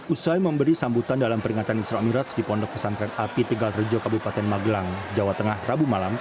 usai memberi sambutan dalam peringatan isramirat ⁇ di pondok pesantren api tegal rejo kabupaten magelang jawa tengah rabu malam